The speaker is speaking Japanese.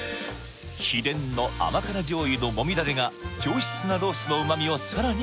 秘伝の甘辛醤油のもみダレが上質なロースの旨みをさらに